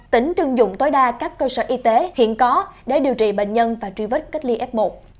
tỉnh trưng dụng tối đa các cơ sở y tế hiện có để điều trị bệnh nhân và truy vết cách ly f một